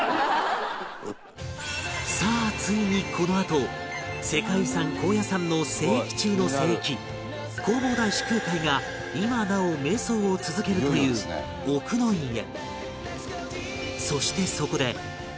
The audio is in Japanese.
さあついにこのあと世界遺産高野山の聖域中の聖域弘法大師空海が今なお瞑想を続けるという奥之院へ